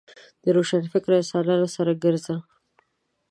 د روشنفکره انسانانو سره ګرځه .